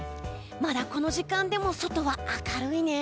まだこの時間でも外は明るいね！